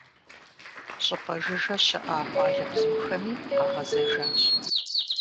ЩӀыпӀэ жыжьэ щыӀа къуалэбзухэми къагъэзэжащ.